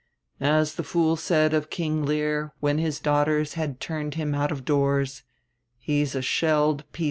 As the fool said of King Lear, when his daughters had turned him out of doors, "He's a shelled peascod."